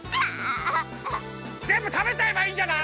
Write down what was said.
ぜんぶたべちゃえばいいんじゃない。